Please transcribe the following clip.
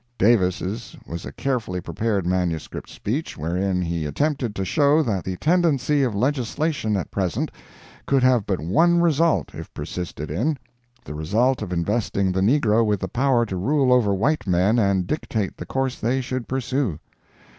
Davis's was a carefully prepared manuscript speech wherein he attempted to show that the tendency of legislation at present could have but one result if persisted in—the result of investing the negro with the power to rule over white men and dictate the course they should pursue.